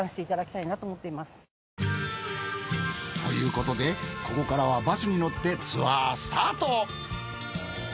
ということでここからはバスに乗ってツアースタート。